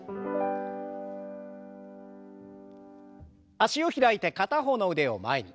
脚を開いて片方の腕を前に。